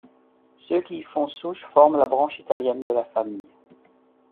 Ceux qui y font souche forment la branche italienne de la famille.